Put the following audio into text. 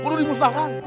itu harus dimusnahkan